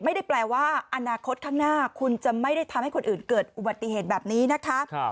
ไม่ได้แปลว่าอนาคตข้างหน้าคุณจะไม่ได้ทำให้คนอื่นเกิดอุบัติเหตุแบบนี้นะคะ